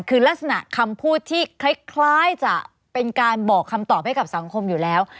คือลักษณะคำพูดที่คล้ายจะเป็นการบอกคำตอบให้กับสังคมอยู่แล้ว